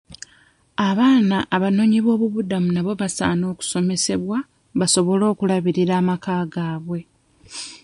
Abaana abanoonyiboobubudamu nabo basaana okusomesebwa basobole okulabirira amaka gaabwe.